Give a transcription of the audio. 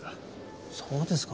そうですか。